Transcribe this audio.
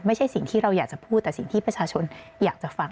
ไม่ใช่สิ่งที่เราอยากจะพูดแต่สิ่งที่ประชาชนอยากจะฟัง